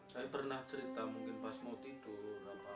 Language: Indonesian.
saya pernah cerita mungkin pas mau tidur